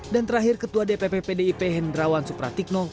dan terakhir ketua dpp pdip hendrawan supratikno